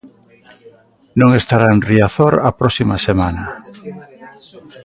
Non estará en Riazor a próxima semana.